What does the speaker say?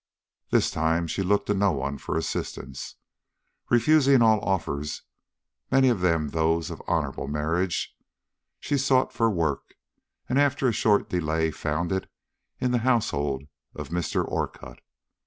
This time she looked to no one for assistance. Refusing all offers, many of them those of honorable marriage, she sought for work, and after a short delay found it in the household of Mr. Orcutt.